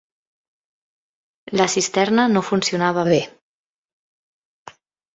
La cisterna no funcionava bé.